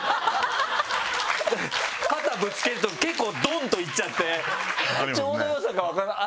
肩ぶつけると結構ドン！といっちゃってちょうどよさが分からないああ